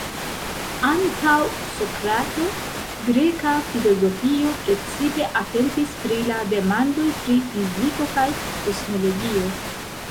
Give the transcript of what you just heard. Antaŭ Sokrato, greka filozofio precipe atentis pri la demandoj pri fiziko kaj kosmologio.